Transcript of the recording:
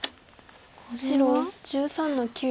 白１３の九。